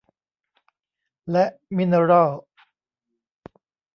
และมิเนอรัล